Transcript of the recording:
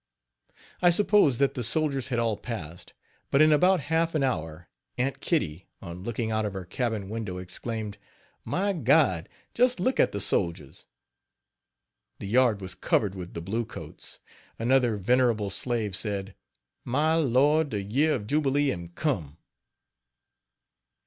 I supposed that the soldiers had all passed; but in about half an hour Aunt Kitty, on looking out of her cabin window, exclaimed: "My God! just look at the soldiers!" The yard was covered with the blue coats. Another venerable slave said: "My Lord! de year of jubilee am come.